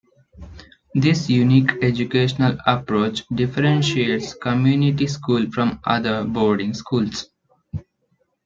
This unique educational approach differentiates Community School from other boarding schools.